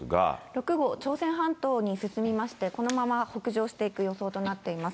６号、朝鮮半島に進みまして、このまま北上していく予想となっています。